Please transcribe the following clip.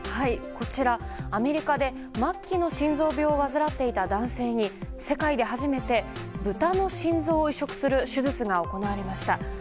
アメリカで末期の心臓病を患っていた男性に世界で初めて豚の心臓を移植する手術が行われました。